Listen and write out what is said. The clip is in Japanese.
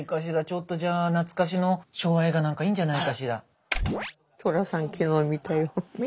ちょっとじゃあ懐かしの昭和映画なんかいいんじゃないかしら。